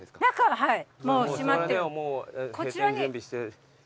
はい。